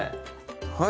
はい！